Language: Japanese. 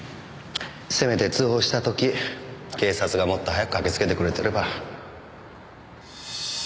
せめて通報した時警察がもっと早く駆けつけてくれてれば。